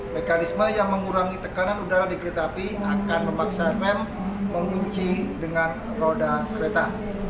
mekanisme yang mengurangi tekanan udara di kereta api akan memaksa pem mengunci dengan roda kereta